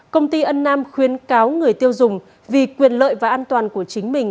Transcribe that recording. công ty ân nam khuyến cáo người tiêu dùng vì quyền lợi và an toàn của chính mình